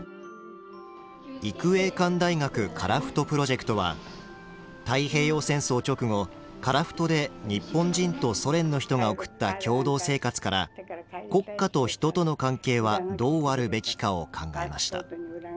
育英館大学樺太プロジェクトは太平洋戦争直後樺太で日本人とソ連の人が送った共同生活から国家と人との関係はどうあるべきかを考えました。